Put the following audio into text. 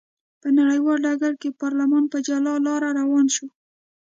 په نړیوال ډګر کې پارلمان په جلا لار روان شو.